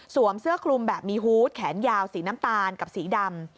เสื้อคลุมแบบมีฮูตแขนยาวสีน้ำตาลกับสีดำ